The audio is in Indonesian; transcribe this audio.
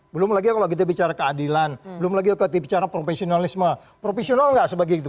belum lagi kalau kita bicara keadilan belum lagi bicara profesionalisme profesional gak sebagainya